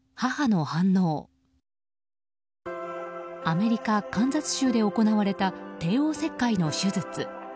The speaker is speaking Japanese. アメリカ・カンザス州で行われた帝王切開の手術。